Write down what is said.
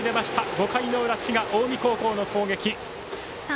５回の裏、滋賀・近江高校の攻撃。